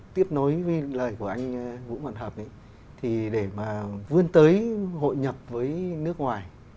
tiếp nối với lời của anh vũ văn hợp ấy thì để mà vươn tới hội nhập với nước ngoài